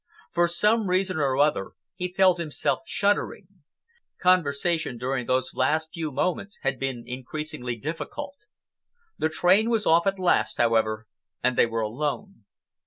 For some reason or other he felt himself shuddering. Conversation during those last few moments had been increasingly difficult. The train was off at last, however, and they were alone.